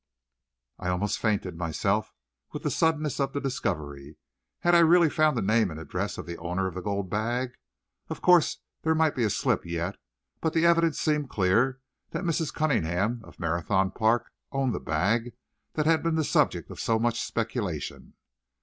I almost fainted, myself, with the suddenness of the discovery. Had I really found the name and address of the owner of the gold bag? Of course there might be a slip yet, but the evidence seemed clear that Mrs. Cunningham, of Marathon Park, owned the bag that had been the subject of so much speculation.